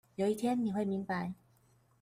有一天你會明白